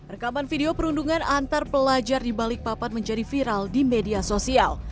rekaman video perundungan antar pelajar di balikpapan menjadi viral di media sosial